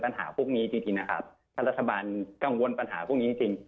พวกนี้จริงนะครับถ้ารัฐบาลกังวลปัญหาพวกนี้จริง